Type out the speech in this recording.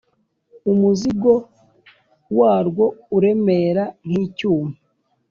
umuzigo warwo uremera nk’icyuma,